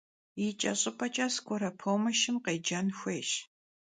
Yiç'eş'ıp'eç'e skore pomoşır khêcen xuêyş.